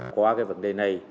qua cái vấn đề này